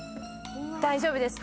大丈夫です。